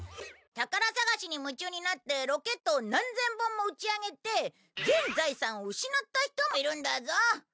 宝探しに夢中になってロケットを何千本も打ち上げて全財産を失った人もいるんだぞ。